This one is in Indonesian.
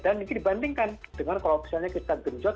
dan dibandingkan dengan kalau misalnya kita genjot